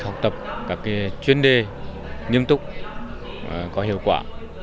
học tập các chuyên đề nghiêm túc có hiệu quả